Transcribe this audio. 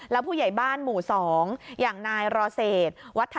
แล้วผู้ใหญ่บ้านหมู่๒อย่างนายรอเศษวัฒน